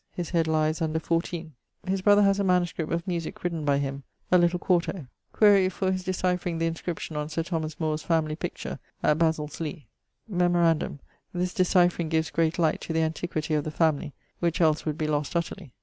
His head lies under 14. His brother haz a MS. of musick written by him, a little 4to. Quaere for his decyphering the inscription on Sir Thomas More's family picture at Bessills Leigh. Memorandum this decyphering gives great light to the antiquitie of the family which els would be lost utterly.